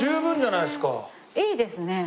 いいですね。